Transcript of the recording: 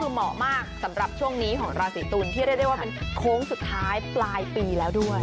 เหมาะมากสำหรับช่วงนี้ของราศีตุลที่เรียกได้ว่าเป็นโค้งสุดท้ายปลายปีแล้วด้วย